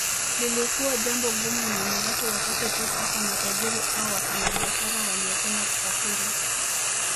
Lilikuwa jambo gumu na ni watu wachache tu hasa matajiri au wafanyabiashara waliopenda kusafiri